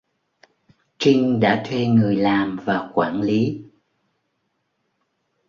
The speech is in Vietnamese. Trinh đã thuê người làm và quản lý